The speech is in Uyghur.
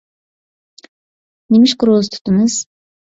نېمىشقا روزا تۇتىمىز؟